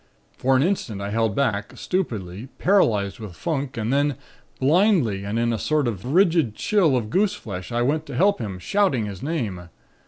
For an instant I held back, stupidly, paralyzed with funk and then, blindly and in a sort of rigid chill of goose flesh I went to help him, shouting his name.